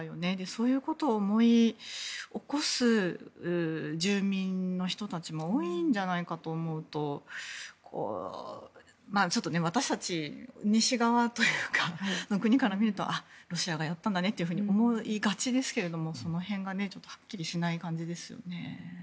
そういうことを思い起こす住民の人たちも多いんじゃないかと思うと私たち西側の国から見るとロシアがやったんだねと思いがちですけどその辺がはっきりしない感じですよね。